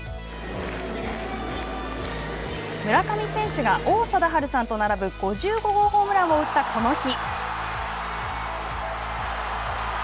村上選手が王貞治さんと並ぶ５５号ホームランを打ったこの日。